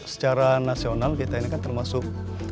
secara nasional kita ini kan termasuk